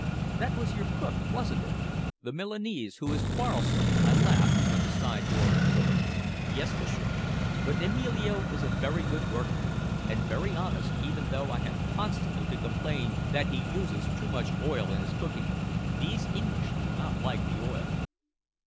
"That was your cook, wasn't it? The Milanese who is quarrelsome?" I laughed, when the side door had closed. "Yes, m'sieur. But Emilio is a very good workman and very honest, even though I had constantly to complain that he uses too much oil in his cooking. These English do not like the oil."